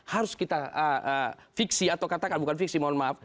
harus kita fiksi atau katakan bukan fiksi mohon maaf